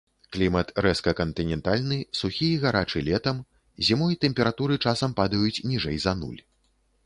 Клімат рэзка кантынентальны, сухі і гарачы летам, зімой тэмпературы часам падаюць ніжэй за нуль.